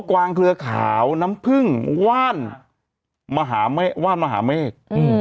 กวางเครือขาวน้ำผึ้งว่านมหาว่านมหาเมฆ